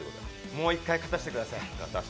もう一回勝たしてください。